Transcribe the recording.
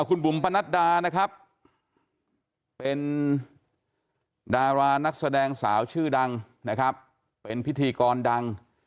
คุณบุ๋มพะนัดดาเป็นดารานักแสดงสาวชื่อดังเป็นพิธีกรดัง